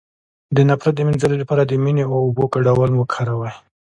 د نفرت د مینځلو لپاره د مینې او اوبو ګډول وکاروئ